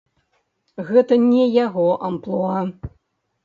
Гэта не яго амплуа.